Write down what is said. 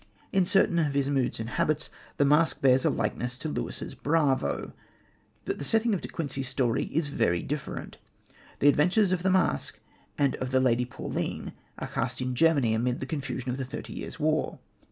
In certain of his moods and habits, the Masque bears a likeness to Lewis's "Bravo," but the setting of De Quincey's story is very different. The adventures of the Masque and of the Lady Pauline are cast in Germany amid the confusion of the Thirty Years' War.